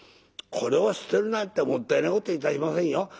これを捨てるなんてもったいないこといたしませんよ。